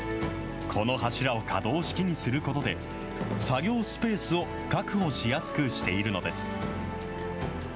この柱を可動式にすることで、作業スペースを確保しやすくしているのです。